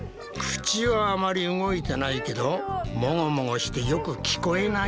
口はあまり動いてないけどモゴモゴしてよく聞こえないな。